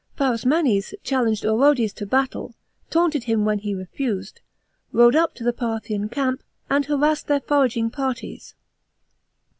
Pharasmanes challenged Orodes to battle, taunted him when fre refu. ed, rode up to the Parthian camp, and harassed their foraging parties.